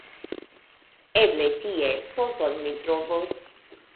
Eble tie solvon mi trovos